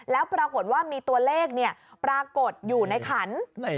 แล้วปรากฏว่ามีตัวเลขปรากฏอยู่ในขัน